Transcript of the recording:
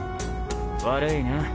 悪いな。